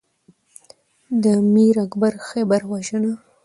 د میر اکبر خیبر وژنه